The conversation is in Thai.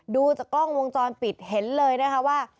ดูจากกล้องวงจรปิดเห็นเลยนะคะว่า